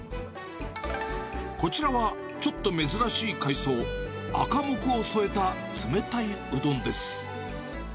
こちらは、ちょっと珍しいかいそう、アカモクを添えた冷たいうどんです。